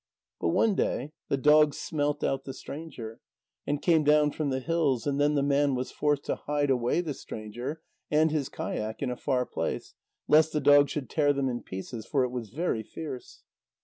But one day the dog smelt out the stranger, and came down from the hills, and then the man was forced to hide away the stranger and his kayak in a far place, lest the dog should tear them in pieces, for it was very fierce.